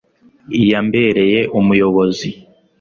yambereye umuyobozi